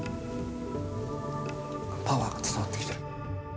パワーが伝わってきてる。